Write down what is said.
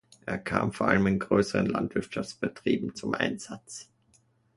Er kam vor allem in größeren Landwirtschaftsbetrieben zum Einsatz.